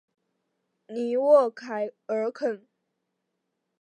尼沃凯尔肯。